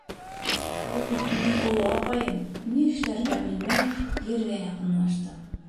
Ул бит минең оло апайым, ни эшләргә белмәй Ергә яҡынлаштым.